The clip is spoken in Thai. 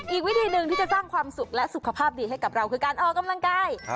อีกวิธีหนึ่งที่จะสร้างความสุขและสุขภาพดีให้กับเราคือการออกกำลังกาย